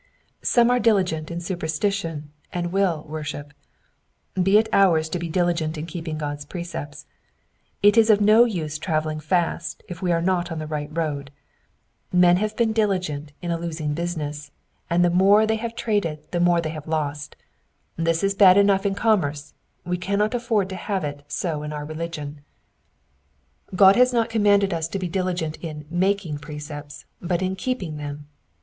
Some are diligent in superstition and will worship ; be it ours to be diligent in keepmg God's precepts. It is of no use travelling fast if we are not in the right road. Men have been diligent in a losing business, an i Digitized by VjOOQIC PSALM ONB HUNDRED AND NINETEEN— VERSES 1 TO 8. 17 tho more they have traded the more they have lost : this is bad enough in commerce, we cannot afford to have it so in our religion. God has not commanded us to be diligent in making precepts, but in keeping them.